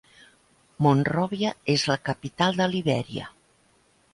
Monròvia és la capital de Libèria.